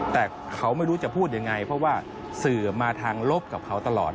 แต่เขาไม่รู้จะพูดยังไงเพราะว่าสื่อมาทางลบกับเขาตลอด